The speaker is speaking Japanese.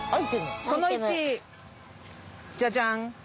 その１ジャジャン。